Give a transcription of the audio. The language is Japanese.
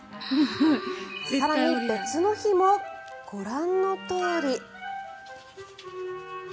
更に別の日もご覧のとおり。